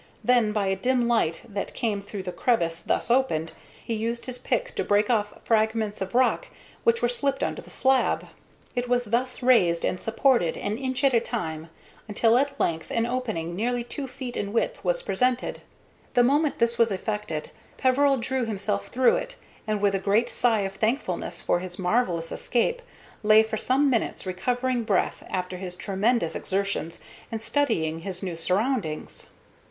Then, by a dim light that came through the crevice thus opened, he used his pick to break off fragments of rock, which were slipped under the slab. It was thus raised and supported an inch at a time, until at length an opening nearly two feet in width was presented. The moment this was effected Peveril drew himself through it, and, with a great sigh of thankfulness for his marvellous escape, lay for some minutes recovering breath after his tremendous exertions and studying his new surroundings.